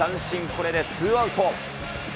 これでツーアウト。